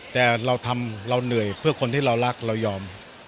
แต่เราทำเราเหนื่อยเพื่อคนที่เรารักเรายอม